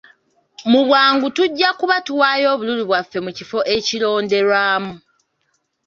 Mu bwangu tujja kuba tuwaayo obululu bwaffe mu kifo ekironderwamu.